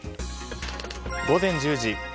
午前１０時。